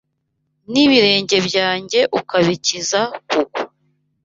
N’ibirenge byanjye ukabikiza kugwa.